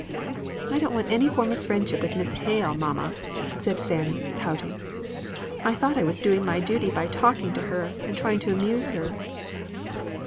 "I don't want to form any friendship with Miss Hale, mamma," said Fanny, pouting. "I thought I was doing my duty by talking to her, and trying to amuse her."